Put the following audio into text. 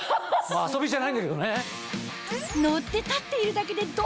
遊びじゃないんだけどね。